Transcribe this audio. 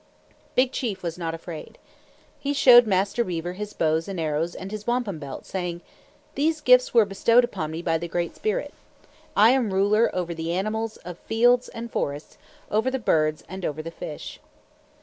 Big Chief was not afraid. He showed Master Beaver his bow and arrows and his wampum belt, saying, "These gifts were bestowed upon me by the Great Spirit. I am ruler over the animals of field and forest, over the birds, and over the fish."